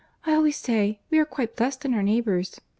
I always say, we are quite blessed in our neighbours.